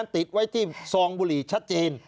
ติดไว้ที่ซองบุหรี่ชัดเจน